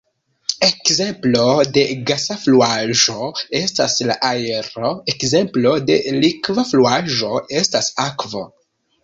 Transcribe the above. Ekzemplo de gasa fluaĵo estas la aero; ekzemplo de likva fluaĵo estas akvo.